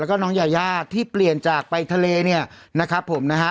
แล้วก็น้องยายาที่เปลี่ยนจากไปทะเลเนี่ยนะครับผมนะฮะ